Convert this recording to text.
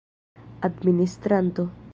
administranto